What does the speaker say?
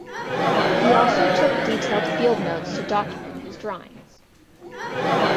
He also took detailed field notes to document his drawings.